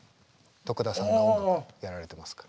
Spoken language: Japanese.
得田さんが音楽やられてますから。